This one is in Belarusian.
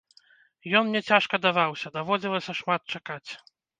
Ён мне цяжка даваўся, даводзілася шмат чакаць.